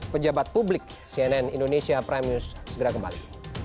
pejabat publik cnn indonesia prime news segera kembali